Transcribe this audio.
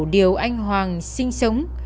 điều anh hoàng sinh sống